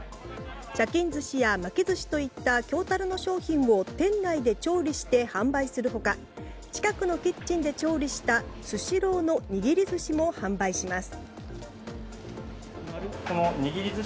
茶きん鮨や巻鮨といった京樽の商品を店内で調理して販売する他近くのキッチンで調理したスシローの握り寿司も販売します。